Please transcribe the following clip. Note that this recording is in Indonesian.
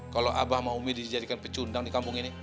kalau abah sama umi dijadikan pecundang di kampung ini